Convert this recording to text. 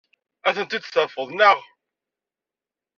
Ad tent-id-tafeḍ, naɣ?